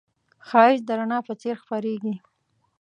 ښایست د رڼا په څېر خپرېږي